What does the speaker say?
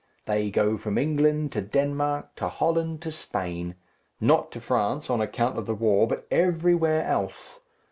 They go from England to Denmark, to Holland, to Spain; not to France, on account of the war, but everywhere else.